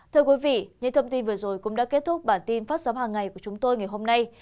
thưa quý vị những thông tin vừa rồi cũng đã kết thúc bản tin phát sóng hàng ngày của chúng tôi ngày hôm nay